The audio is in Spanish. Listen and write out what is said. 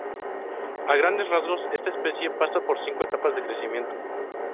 A grandes rasgos, esta especie pasa por cinco etapas de crecimiento.